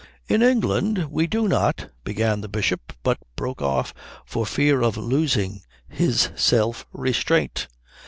"In England we do not " began the Bishop; but broke off for fear of losing his self restraint.